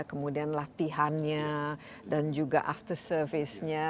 kemudian latihannya dan juga after service nya